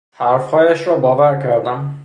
حرفهایش را باور کردم.